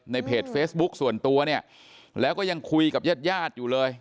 ในเพจเฟซบุ๊คส่วนตัวเนี่ยแล้วก็ยังคุยกับญาติญาติอยู่เลย